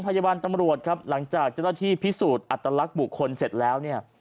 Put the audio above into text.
พยาบาลตำรวจครับหลังจากเจ้าหน้าที่พิสูจน์อัตลักษณ์บุคคลเสร็จแล้วเนี่ย